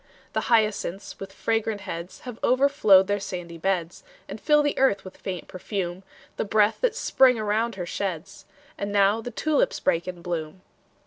The hyacinths, with fragrant heads, Have overflowed their sandy beds, And fill the earth with faint perfume, The breath that Spring around her sheds. And now the tulips break in bloom!